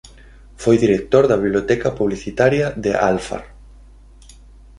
Foi director da Biblioteca Publicitaria de "Alfar".